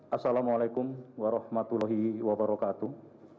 assalamu alaikum warahmatullahi wabarakatuh